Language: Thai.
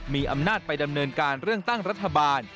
มีอำนาจไปดำเนินการเรื่องตั้งรัฐบาล